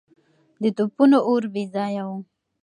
د توپونو اور بې ځایه و.